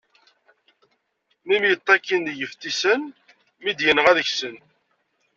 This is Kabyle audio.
Mi mṭakin deg yeftisen, mi d-yenɣa deg-sen.